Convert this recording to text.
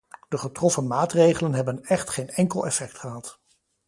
De getroffen maatregelen hebben echt geen enkel effect gehad.